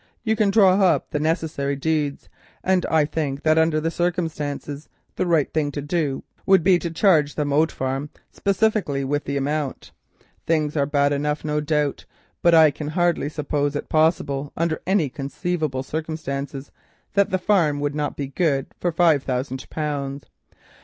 You can draw up the necessary deeds, and I think that under the circumstances the right thing to do would be to charge the Moat Farm specifically with the amount. Things are bad enough, no doubt, but I can hardly suppose it possible under any conceivable circumstances that the farm would not be good for five thousand pounds.